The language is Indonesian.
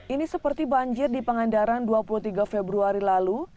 ini seperti banjir di pangandaran dua puluh tiga februari lalu